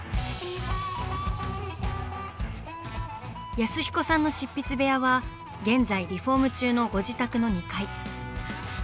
安彦さんの執筆部屋は現在リフォーム中のご自宅の２階。